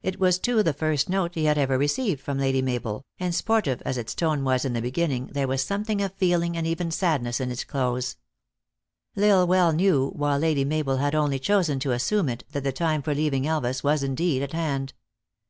It was too the first note he had ever received from Lady Mabel, and sportive as its tone was in the beginning, there was something of feeling and even sadness in its close. L Isle well knew, while Lady Mabel had only chosen to assume it, that the time for leaving Elvas was indeed at hand.